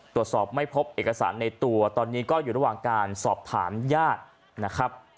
ตรวจสอบไม่พบเอกสารในตัวตอนนี้ก็อยู่ระหว่างการสอบถามญาตินะครับ